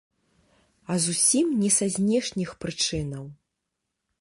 А зусім не са знешніх прычынаў.